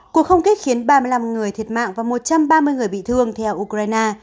cuộc không kích khiến ba mươi năm người thiệt mạng và một trăm ba mươi người bị thương theo ukraine